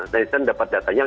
netizen dapat data